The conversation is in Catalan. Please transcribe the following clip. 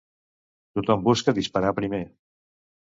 Tothom busca disparar primer.